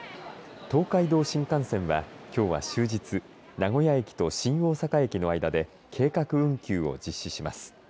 東海道新幹線は、きょうは終日名古屋駅と新大阪駅の間で計画運休を実施します。